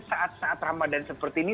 saat saat ramadan seperti ini